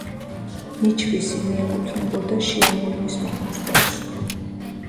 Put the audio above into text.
ნიჩბისი მიეკუთვნებოდა შიომღვიმის მონასტერს.